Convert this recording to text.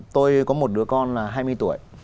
tôi có một đứa con là hai mươi tuổi